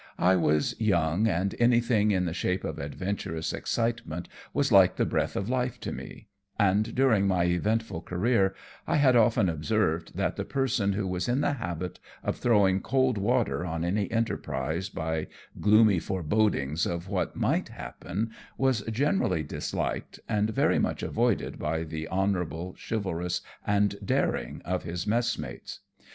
I was young, and anything in the shape of adven turous excitement was like the breath of life to me ; and, during my eventful career, I had often observed that the person who was in the habit of throwing cold water on any enterprise by gloomy forebodings of what might happen was generally disliked, and very much avoided by the honourable, chivalrous, and daring of his messmates.